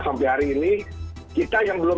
sampai hari ini kita yang belum